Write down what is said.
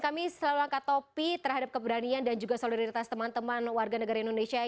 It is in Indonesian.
kami selalu angkat topi terhadap keberanian dan juga solidaritas teman teman warga negara indonesia